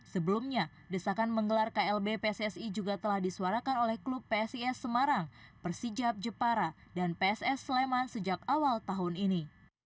sebelumnya desakan menggelar klb pssi juga telah disuarakan oleh klub psis semarang persijab jepara dan pss sleman sejak awal tahun ini